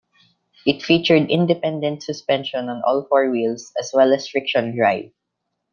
It featured independent suspension on all four wheels, as well as friction drive.